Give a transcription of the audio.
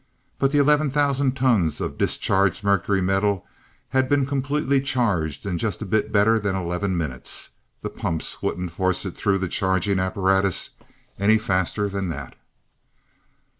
But the eleven thousand tons of discharged mercury metal had been completely charged in just a bit better than eleven minutes. The pumps wouldn't force it through the charging apparatus any faster than that.